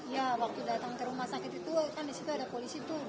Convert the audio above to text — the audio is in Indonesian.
ya waktu datang ke rumah sakit itu kan disitu ada polisi tuh